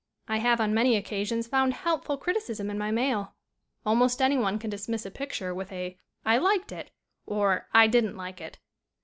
I have on many occasions found helpful criticism in my mail. Almost anyone can dismiss a picture with a "I liked it" or "I didn't like it."